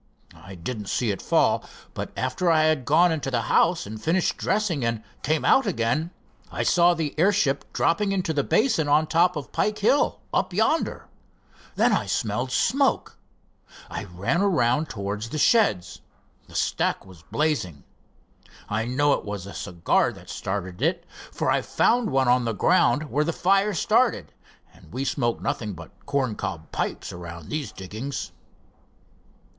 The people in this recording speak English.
I didn't see it fall, but after I had gone into the house and finished dressing and came out again, I saw the airship dropping into the basin on top of Pike Hill up yonder. Then I smelled smoke. I ran around towards the sheds. The stack was blazing. I know it was a cigar that started it, for I found one on the ground where the fire started, and we smoke nothing but corncob pipes around these diggings."